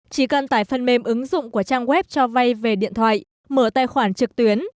chỉ cần tải phần mềm ứng dụng của trang web cho vay về điện thoại mở tài khoản trực tuyến